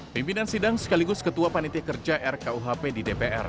pimpinan sidang sekaligus ketua panitia kerja rkuhp di dpr